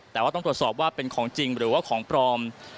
แต่ว่าต้องตรวจสอบว่าเป็นของจริงหรือว่าของปลอม